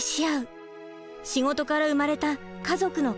仕事から生まれた家族のカタチです。